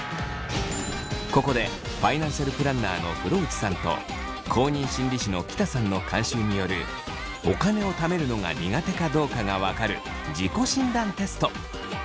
ここでファイナンシャルプランナーの風呂内さんと公認心理師の喜田さんの監修によるお金をためるのが苦手かどうかが分かる自己診断テスト。